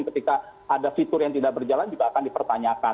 ketika ada fitur yang tidak berjalan juga akan dipertanyakan